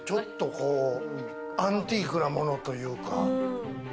こう、アンティークなものというか。